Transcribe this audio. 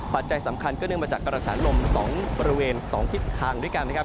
ปัจจัยสำคัญก็เนื่องมาจากกระแสลม๒บริเวณ๒ทิศทางด้วยกันนะครับ